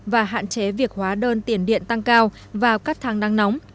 và hạn chế việc hóa đơn tiền điện tăng cao vào các tháng nắng nóng